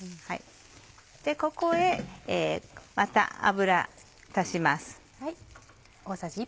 ここへまた油足します。